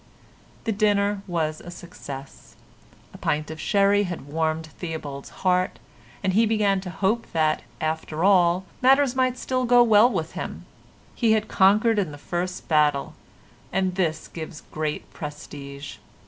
The dinner was a success. A pint of sherry had warmed Theobald's heart, and he began to hope that, after all, matters might still go well with him. He had conquered in the first battle, and this gives great prestige.